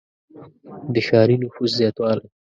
• د ښاري نفوس زیاتوالی.